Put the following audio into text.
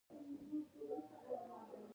د بدګمانۍ پېټی په اوږو بار نه کړي.